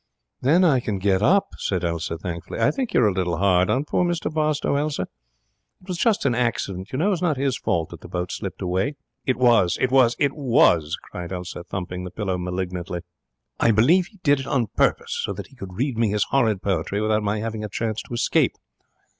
'Then I can get up,' said Elsa, thankfully. 'I think you're a little hard on poor Mr Barstowe, Elsa. It was just an accident, you know. It was not his fault that the boat slipped away.' 'It was, it was, it was!' cried Elsa, thumping the pillow malignantly. 'I believe he did it on purpose, so that he could read me his horrid poetry without my having a chance to escape.